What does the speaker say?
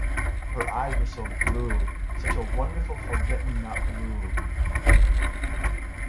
Her eyes were so blue — such a wonderful forget-me-not blue!